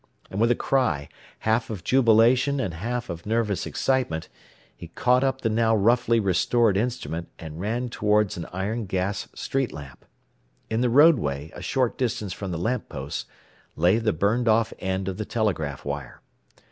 And with a cry, half of jubilation and half of nervous excitement, he caught up the now roughly restored instrument and ran toward an iron gas street lamp. In the roadway a short distance from the lamp post lay the burned off end of the telegraph wire.